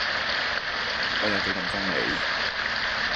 我有幾咁憎你